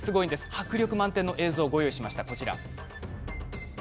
迫力満点の映像をご用意しました。